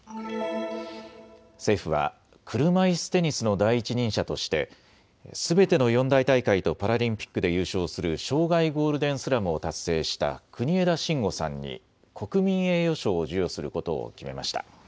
政府は車いすテニスの第一人者としてすべての四大大会とパラリンピックで優勝する生涯ゴールデンスラムを達成した国枝慎吾さんに国民栄誉賞を授与することを決めました。